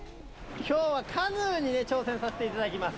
きょうはカヌーにね、挑戦させていただきます。